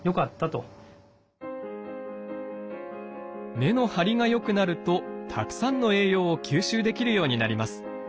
根の張りが良くなるとたくさんの栄養を吸収できるようになります。